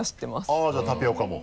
あっじゃあタピオカも？